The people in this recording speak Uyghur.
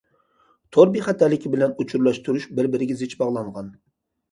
تور بىخەتەرلىكى بىلەن ئۇچۇرلاشتۇرۇش بىر- بىرىگە زىچ باغلانغان.